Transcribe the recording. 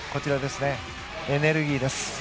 エネルギーです。